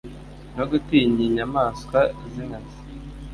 no gutinya inyamaswa z'inkazi